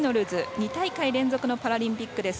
２大会連続のパラリンピックです。